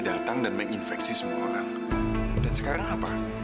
dia nggak keluar kamar seharian ya